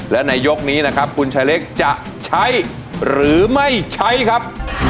และในยกนี้นะครับคุณชายเล็กจะใช้หรือไม่ใช้ครับ